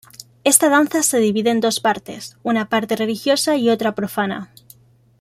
Esta danza se divide en dos partes, una parte religiosa y otra profana.